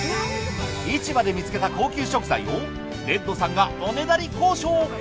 市場で見つけた高級食材をレッドさんがおねだり交渉。